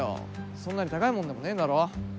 そんなに高いもんでもねえだろ。